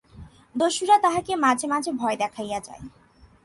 দস্যুরা তাহাকে মাঝে মাঝে ভয় দেখাইয়া যায়।